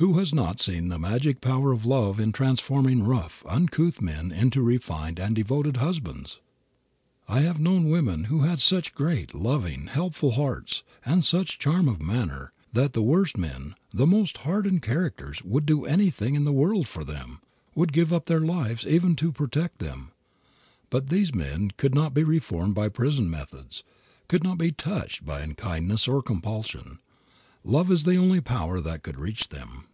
Who has not seen the magic power of love in transforming rough, uncouth men into refined and devoted husbands? I have known women who had such great, loving, helpful hearts, and such charm of manner, that the worst men, the most hardened characters would do anything in the world for them would give up their lives even to protect them. But these men could not be reformed by prison methods, could not be touched by unkindness or compulsion. Love is the only power that could reach them.